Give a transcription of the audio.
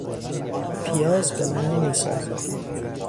پیاز به من نمیسازد.